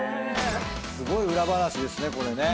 すごい裏話ですね